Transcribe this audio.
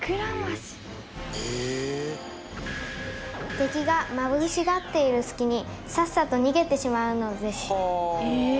「敵がまぶしがっている隙にさっさと逃げてしまうのです」